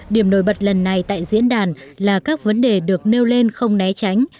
điểm nổi bật lần này tại diễn đàn là các vấn đề được nêu lên không né tránh